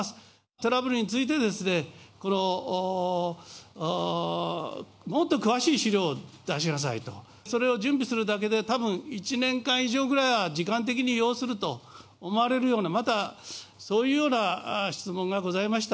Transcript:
トラブルについてですね、もっと詳しい資料を出しなさいと、それを準備するだけで、たぶん１年間以上ぐらいは時間的に要すると思われるような、またそういうような質問がございました。